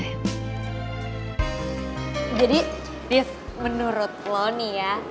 atau badai badai cerveza rambut kita hanya